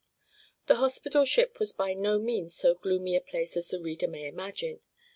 This hospital ship was by no means so gloomy a place as the reader may imagine.